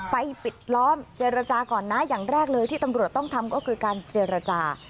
ปิดล้อมเจรจาก่อนนะอย่างแรกเลยที่ตำรวจต้องทำก็คือการเจรจา